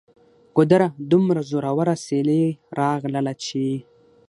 ګودره! دومره زوروره سیلۍ راغلله چې